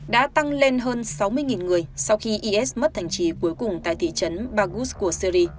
đã tăng lên hơn sáu mươi người sau khi is mất thành trí cuối cùng tại thị trấn bargus của syri